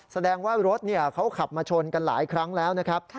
แสดงว่ารถเขาขับมาชนกันหลายครั้งแล้วนะครับ